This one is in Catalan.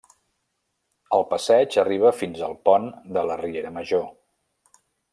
El passeig arriba fins al pont de la riera Major.